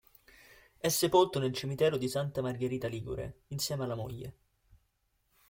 È sepolto nel cimitero di Santa Margherita Ligure, insieme alla moglie.